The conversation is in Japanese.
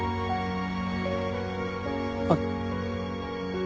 あっ。